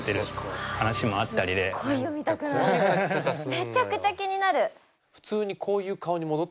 めちゃくちゃ気になる！